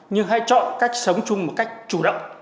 nhưng hãy chọn cách sống chung một cách chủ động